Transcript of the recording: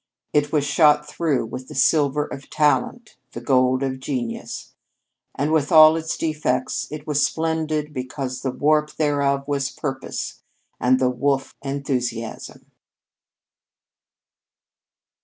It was shot through with the silver of talent, the gold of genius. And with all of its defects it was splendid because the warp thereof was purpose and the woof enthusiasm.